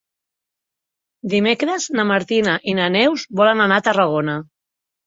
Dimecres na Martina i na Neus volen anar a Tarragona.